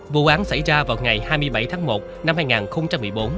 vụ án xảy ra vào ngày hai mươi bảy tháng một năm hai nghìn một mươi bốn